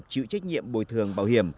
chịu trách nhiệm bồi thường bảo hiểm